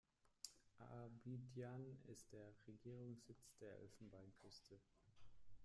Abidjan ist der Regierungssitz der Elfenbeinküste.